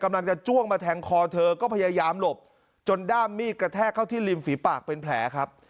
จ้วงมาแทงคอเธอก็พยายามหลบจนด้ามมีดกระแทกเข้าที่ริมฝีปากเป็นแผลครับ